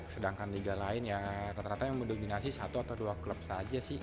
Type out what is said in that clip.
sedangkan liga lain ya rata rata yang mendominasi satu atau dua klub saja sih